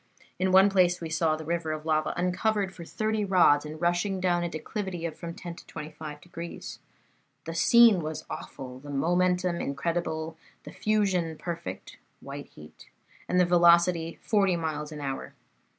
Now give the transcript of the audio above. In one place we saw the river of lava uncovered for thirty rods and rushing down a declivity of from ten to twenty five degrees. The scene was awful, the momentum incredible, the fusion perfect (white heat), and the velocity forty miles an hour.